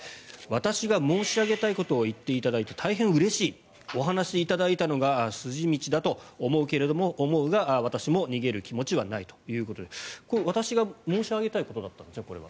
私が申し上げたいことを言っていただいて大変うれしいお話しいただいたのが筋道だと思うが私も逃げる気持ちはないということで私が申し上げたいことだったんですね、これは。